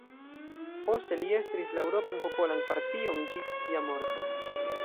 Poste li estris la Eŭropan Popolan Partion ĝis sia morto.